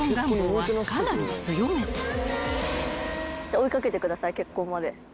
追い掛けてください結婚まで。